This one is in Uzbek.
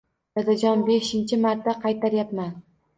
Dadajoni, beshinchi marta qaytaryapman.